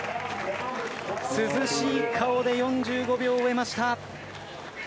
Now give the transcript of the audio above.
涼しい顔で４５秒を終えました。